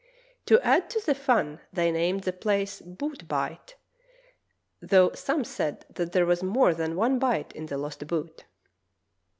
To add to the fun they named the place Boot Bight, though some said that there was more than one bite in the lost boot.